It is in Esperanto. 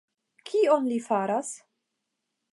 Kion li faras?